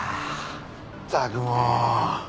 ったくもう！